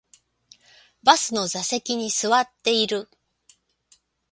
バスの座席に座っている